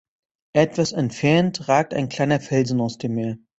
Etwas entfernt ragt ein kleiner Felsen aus dem Meer.